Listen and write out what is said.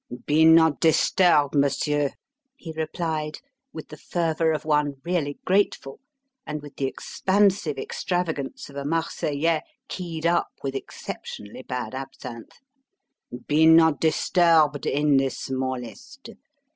"Be not disturbed, Monsieur!" he replied, with the fervour of one really grateful, and with the expansive extravagance of a Marseillais keyed up with exceptionally bad absinthe. "Be not disturbed in the smallest!